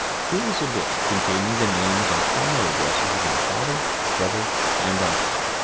Here is a list containing the names and former addresses of my father, brother, and uncle.